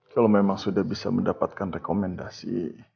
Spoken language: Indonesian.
kalau memang sudah bisa mendapatkan rekomendasi